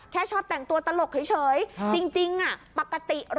แค่ชอบแต่งตัวตลกเฉยจริงปกติ